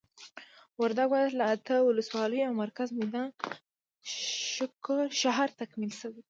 وردګ ولايت له اته ولسوالیو او مرکز میدان شهر تکمیل شوي دي.